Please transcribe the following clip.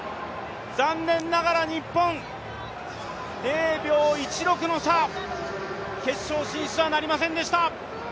残念ながら日本０秒１６の差、決勝進出はなりませんでした。